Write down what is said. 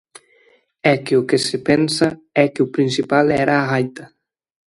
É que o que se pensa é que o principal era a gaita.